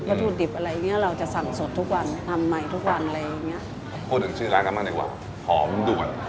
ประทูดิบอะไรอย่างนี้เราจะสั่งสดทุกวันทำใหม่ทุกวันอะไรอย่างเงี้ย